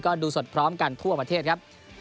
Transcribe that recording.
ก็ดูสดพร้อมกันทั่วประเทศครับ